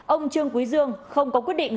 ông trương quý dương không có quyết định